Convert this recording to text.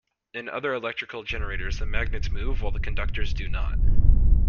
In other electrical generators, the magnets move, while the conductors do not.